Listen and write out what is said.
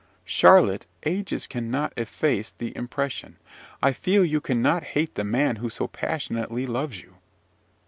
Charlotte, ages cannot efface the impression I feel you cannot hate the man who so passionately loves you!"